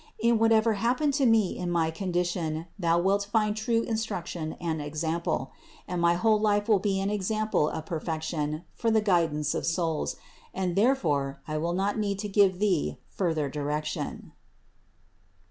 In whatever happened to me in my condition, thou wilt find true instruction and example ; and my whole life will be an example of perfection for the guidance of souls, and therefore I will not need to give thee further direction.